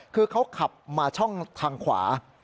คือเขาขับมาช่องทางขวา